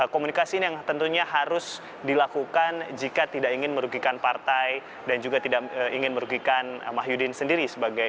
komunikasi ini yang tentunya harus dilakukan jika tidak ingin merugikan partai dan juga tidak ingin merugikan mahyudin sendiri